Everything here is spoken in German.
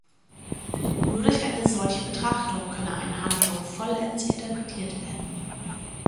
Nur durch eine solche Betrachtung könne eine Handlung vollends interpretiert werden.